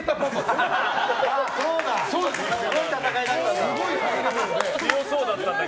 すごい戦いだったんだ。